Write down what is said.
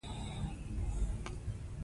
ته په لوىديځ کې فيمينزم وايي.